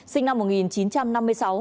sinh năm một nghìn chín trăm năm mươi sáu